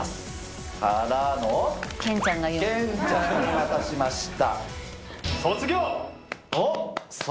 ケンちゃんに渡しました。